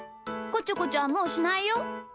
こちょこちょはもうしないよ。